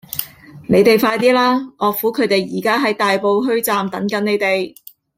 你哋快啲啦!岳父佢哋而家喺大埔墟站等緊你哋